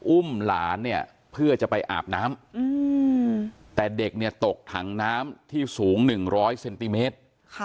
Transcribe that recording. อุ้มหลานเนี่ยเพื่อจะไปอาบน้ำแต่เด็กเนี่ยตกถังน้ำที่สูง๑๐๐เซนติเมตร